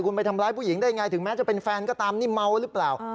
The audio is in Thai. คุณไปทำร้ายผู้หญิงได้ไงถึงแม้จะเป็นแฟนก็ตามนี่เมาหรือเปล่า